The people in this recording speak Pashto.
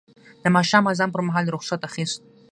د ماښام اذان پر مهال رخصت اخیست.